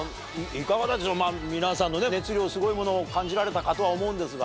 皆さんの熱量すごいものを感じられたかとは思うんですが。